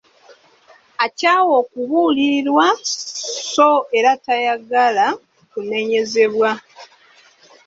Akyawa okubuulirirwa so era tayagala kunenyezebwa.